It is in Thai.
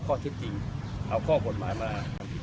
ข้อเท็จจริงเอาข้อกฎหมายมา